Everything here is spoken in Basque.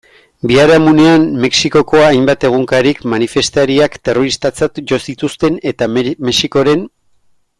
Biharamunean, Mexikoko hainbat egunkarik manifestariak terroristatzat jo zituzten eta Mexikoren.